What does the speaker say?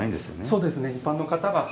そうですね。